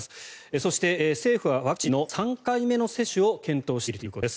そして、政府はワクチンの３回目の接種を検討しているということです。